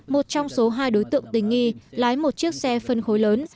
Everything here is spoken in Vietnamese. một trong số hai đối tượng tình nghi lái một chiếc xe phân khối lớn